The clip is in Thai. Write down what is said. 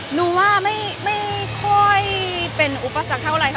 หนูว่าไม่ค่อยเป็นอุปสรรคเท่าไรค่ะ